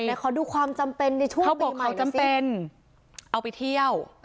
แต่ขอดูความจำเป็นในช่วงเขาบอกเขาจำเป็นเอาไปเที่ยว